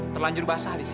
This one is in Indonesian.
terlanjur basah di sini